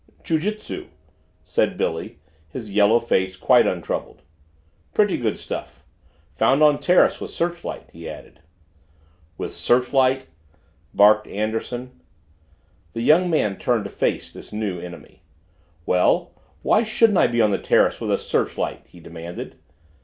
"Jiu jitsu," said Billy, his yellow face quite untroubled. "Pretty good stuff. Found on terrace with searchlight," he added. "With searchlight?" barked Anderson. The young man turned to face this new enemy. "Well, why shouldn't I be on the terrace with a searchlight?" he demanded.